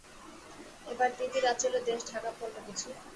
এবার দিদির আঁচলে দেশ ঢাকা পড়ল বুঝি!